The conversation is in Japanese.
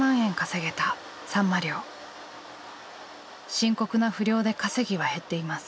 深刻な不漁で稼ぎは減っています。